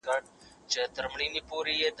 آیا په کلي کې اوس هم مېلې کېږي؟